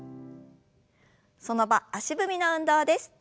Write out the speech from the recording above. その場足踏みの運動です。